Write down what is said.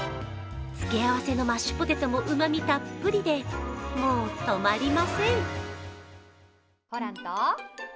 付け合わせのマッシュポテトもうまみたっぷりで、もう止まりません。